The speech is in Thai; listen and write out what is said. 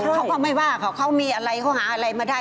เขาก็ไม่ว่าเขามีอะไรเขาหาอะไรมาได้